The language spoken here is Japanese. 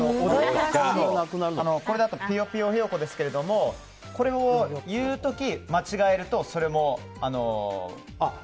これだとピヨピヨひよこですけどもこれを言う時、間違えるとそれも。